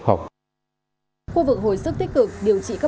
khu vực hồi sức tích cực